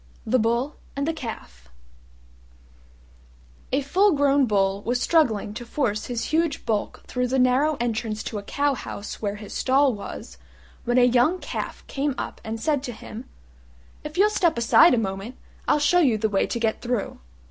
THE BULL AND THE CALF A full grown Bull was struggling to force his huge bulk through the narrow entrance to a cow house where his stall was, when a young Calf came up and said to him, "If you'll step aside a moment, I'll show you the way to get through."